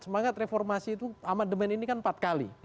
semangat reformasi itu amandemen ini kan empat kali